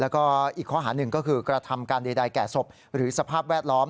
แล้วก็อีกข้อหาหนึ่งก็คือกระทำการใดแก่ศพหรือสภาพแวดล้อม